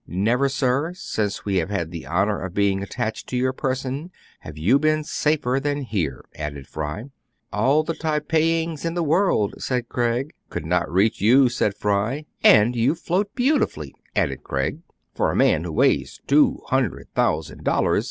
"Never, sir, since we have had the honor of being attached to your person, have you been safer than here," added Fry. "All the Tai pings in the world "— said Craig. " Could not reach you," said Fry. "And you float beautifully "— added Craig. " For a man who weighs two hundred thousand dollars